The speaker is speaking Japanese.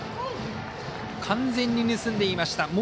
完全に盗んでいました。